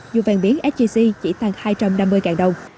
dù vàng biến sgc chỉ tăng hai trăm năm mươi đồng